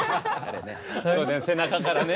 そうだね背中からね。